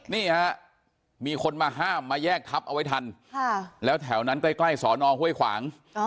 นี่ฮะมีคนมาห้ามมาแยกทับเอาไว้ทันแล้วแถวนั้นใกล้สอนอห้วยขวาง